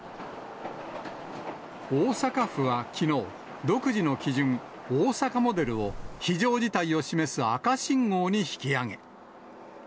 大阪府はきのう、独自の基準、大阪モデルを、非常事態を示す赤信号に引き上げ。